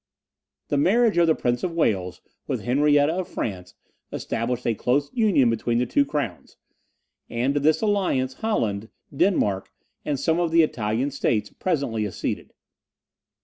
The marriage of the Prince of Wales with Henrietta of France, established a close union between the two crowns; and to this alliance, Holland, Denmark, and some of the Italian states presently acceded.